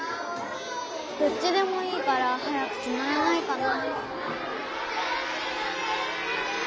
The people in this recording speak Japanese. どっちでもいいから早くきまらないかな。